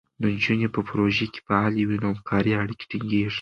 نجونې په پروژو کې فعالې وي، نو همکارۍ اړیکې ټینګېږي.